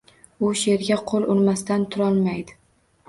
U she’rga qo‘l urmasdan turolmaydi.